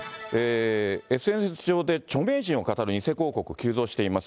ＳＮＳ上で、著名人をかたる偽広告、急増しています。